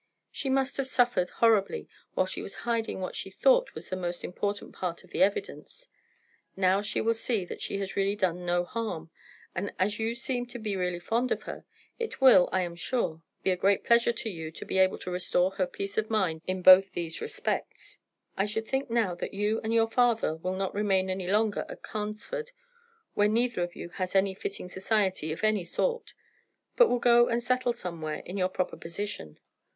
She must have suffered horribly while she was hiding what she thought was the most important part of the evidence; now she will see that she has really done no harm; and as you seem to be really fond of her, it will, I am sure, be a great pleasure to you to be able to restore her peace of mind in both these respects. I should think now that you and your father will not remain any longer at Carnesford, where neither of you has any fitting society of any sort, but will go and settle somewhere in your proper position.